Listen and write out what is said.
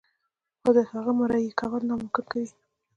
خو د هغه مريي کول ناممکن کوي.